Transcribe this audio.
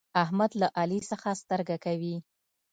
احمد له علي څخه سترګه کوي.